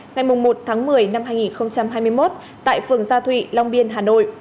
ngày một tháng một mươi năm hai nghìn hai mươi một tại phường gia thụy long biên hà nội